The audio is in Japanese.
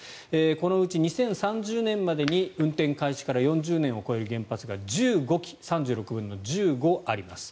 このうち２０３０年までに運転開始から４０年を超える原発が１５基３６分の１５あります。